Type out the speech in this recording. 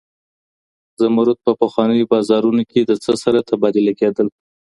زمرد په پخوانیو بازارونو کي د څه سره تبادله کيدل؟